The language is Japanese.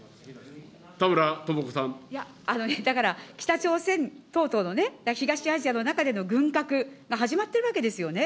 いや、あのね、だから、北朝鮮等々のね、東アジアの中での軍拡が始まってるわけですよね。